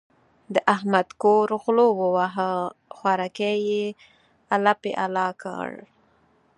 د احمد کور غلو وواهه؛ خوراکی يې الپی الا کړ.